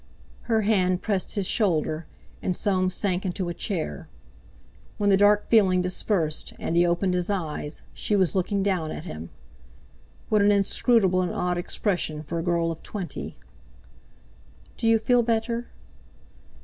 Her hand pressed his shoulder, and Soames sank into a chair. When the dark feeling dispersed, and he opened his eyes, she was looking down at him. What an inscrutable and odd expression for a girl of twenty! "Do you feel better?"